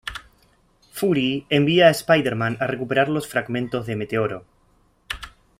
Fury envía a Spider-Man a recuperar los fragmentos de meteoro.